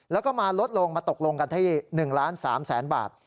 แล้วก็มาลดลงมาตกลงกันที่๑ล้าน๓แสนบาท